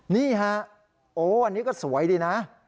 นี่ฮะโอ้อันนี้ก็สวยดีนะ